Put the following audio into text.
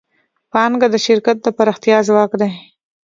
پانګه د شرکت د پراختیا ځواک دی.